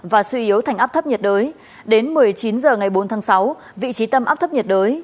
và suy yếu thành áp thấp nhiệt đới đến một mươi chín h ngày bốn tháng sáu vị trí tâm áp thấp nhiệt đới